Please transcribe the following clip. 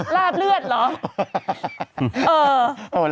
ลาบเลือดเหรอ